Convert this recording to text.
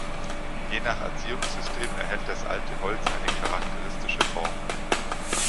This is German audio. Je nach Erziehungssystem erhält das alte Holz eine charakteristische Form.